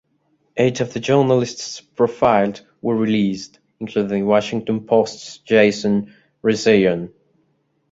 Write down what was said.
Eight of the journalists profiled were released, including the Washington Post's Jason Rezaian.